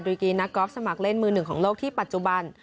กีนักกอล์ฟสมัครเล่นมือหนึ่งของโลกที่ปัจจุบัน